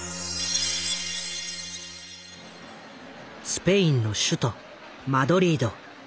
スペインの首都マドリード。